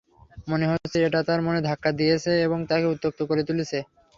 মনে হচ্ছে এটা তার মনে ধাক্কা দিয়েছে এবং তাকে উত্ত্যক্ত করে তুলেছে।